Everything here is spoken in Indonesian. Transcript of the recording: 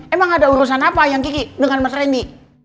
emang ada urusan apa ayang kiki dengan mas randy